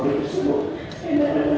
di covid tersebut